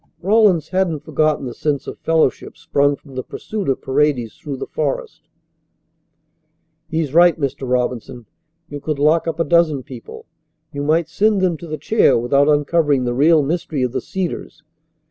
Rawlins hadn't forgotten the sense of fellowship sprung from the pursuit of Paredes through the forest. "He's right, Mr. Robinson. You could lock up a dozen people. You might send them to the chair without uncovering the real mystery of the Cedars.